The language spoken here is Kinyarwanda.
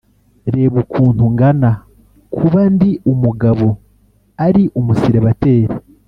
reba ukuntu ngana kuba ndi umugabo ari umusiribateri